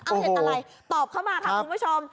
เอาเห็นอะไรตอบเข้ามาค่ะคุณผู้ชม